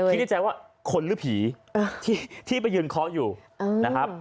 คือคิดในใจว่าคนหรือผีที่ไปยืนคอร์สอยู่นะครับ